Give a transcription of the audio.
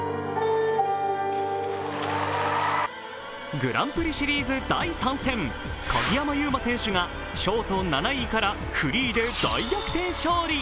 グランプリシリーズ第３戦、鍵山優真選手がショート７位からフリーで大逆転勝利。